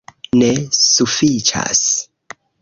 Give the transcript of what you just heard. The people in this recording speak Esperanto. Ne, sufiĉas!